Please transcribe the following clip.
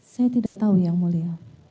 saya tidak tahu yang mulia